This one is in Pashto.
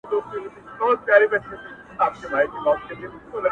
• موده مخکي چي دي مړ سپین ږیری پلار دئ,